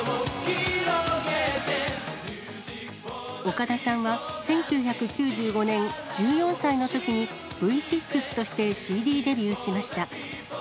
岡田さんは１９９５年、１４歳のときに、Ｖ６としてＣＤデビューしました。